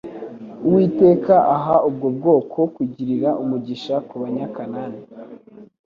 uwiteka aha ubwo bwoko kugirira umugisha kuba nya kanani